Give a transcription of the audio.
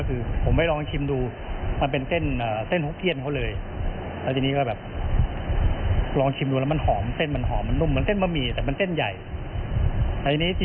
คือผมไปลองชิมดูว่ามันเป็นเส้น